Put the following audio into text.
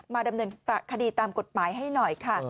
ดำเนินคดีตามกฎหมายให้หน่อยค่ะ